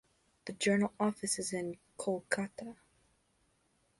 The Journal office is in Calcutta.